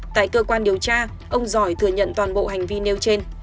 tại cơ quan điều tra ông giỏi thừa nhận toàn bộ hành vi nêu trên